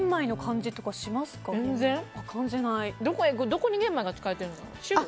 どこに玄米が使われてるんだろう。